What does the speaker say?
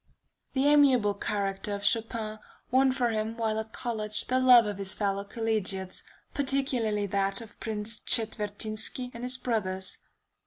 The amiable character of Chopin won for him while at college the love of his fellow collegiates, particularly that of Prince Czetwertynski and his brothers.